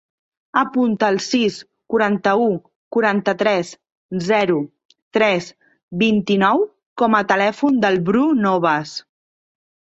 Apunta el sis, quaranta-u, quaranta-tres, zero, tres, vint-i-nou com a telèfon del Bru Novas.